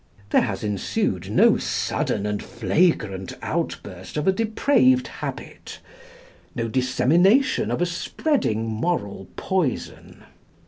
There has ensued no sudden and flagrant outburst of a depraved habit, no dissemination of a spreading moral poison.